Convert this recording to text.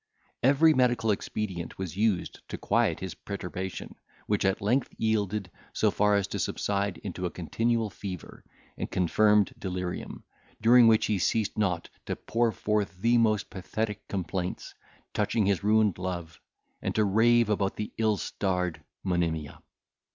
Every medical expedient was used to quiet his perturbation, which at length yielded so far as to subside into a continual fever and confirmed delirium, during which he ceased not to pour forth the most pathetic complaints, touching his ruined love, and to rave about the ill starred Monimia.